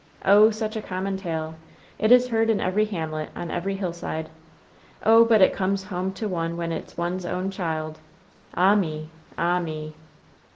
Oh, such a common tale. It is heard in every hamlet, on every hillside. Oh, but it comes home to one when it's one's ain child. Ah me I ah me!